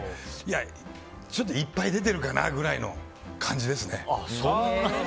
ちょっといっぱい出てるかなぐらいの感じですね。